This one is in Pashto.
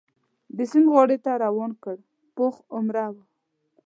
د سیند غاړې ته روان کړ، پوخ عمره و.